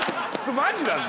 マジなんだ？